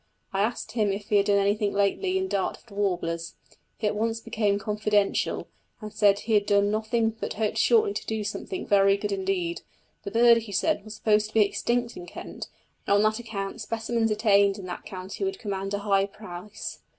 I asked him if he had done anything lately in Dartford warblers. He at once became confidential, and said he had done nothing but hoped shortly to do something very good indeed. The bird, he said, was supposed to be extinct in Kent, and on that account specimens obtained in that county would command a high price.